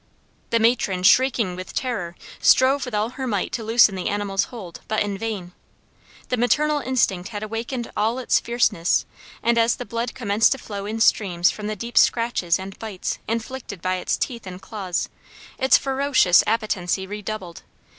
The matron, shrieking with terror, strove with all her might to loosen the animal's hold, but in vain. The maternal instinct had awakened all its fierceness, and as the blood commenced to flow in streams from the deep scratches and bites inflicted by its teeth and claws, its ferocious appetency redoubled.